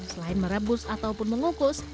selain merebus ataupun mengukus